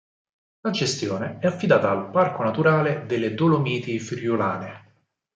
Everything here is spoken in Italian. La gestione è affidata al Parco naturale delle Dolomiti Friulane.